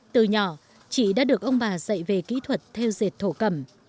từ nhỏ chị đã được ông bà dạy về kỹ thuật theo dệt thổ cẩm